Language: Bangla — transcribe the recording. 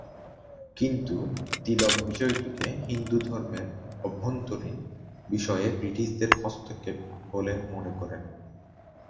কিন্তু তিলক বিষয়টিকে হিন্দুধর্মের অভ্যন্তরীণ বিষয়ে ব্রিটিশদের হস্তক্ষেপ বলে মনে করেন।